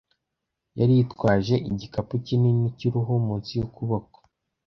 Yari yitwaje igikapu kinini cy'uruhu munsi y'ukuboko.